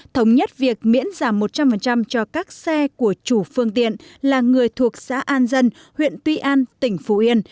thống nhất việc miễn giảm một trăm linh cho các xe của chủ phương tiện là người thuộc xã an dân huyện tuy an tỉnh phú yên